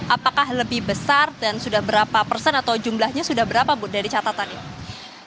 apakah lebih besar dan sudah berapa persen atau jumlahnya sudah berapa bu dari catatan ibu